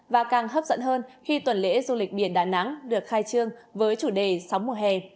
và càng hấp dẫn hơn khi tuần lễ du lịch biển đà nẵng được khai trương với chủ đề sóng mùa hè